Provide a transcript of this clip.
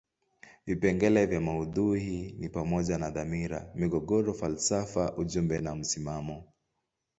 Vipengele vya maudhui ni pamoja na dhamira, migogoro, falsafa ujumbe na msimamo.